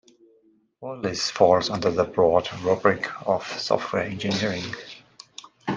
All this falls under the broad rubric of software engineering.